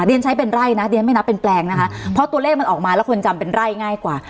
เรียนใช้เป็นไร่นะเดี๋ยวไม่นับเป็นแปลงนะคะเพราะตัวเลขมันออกมาแล้วคนจำเป็นไร่ง่ายกว่า